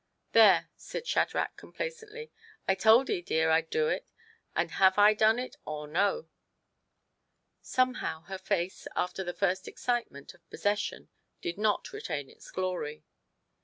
" There !" said Shadrach, complacently. " I told 'ee, dear, I'd do it ; and have I done it or ?9J Somehow her face, after the first excitement of possession, did not retain its glory.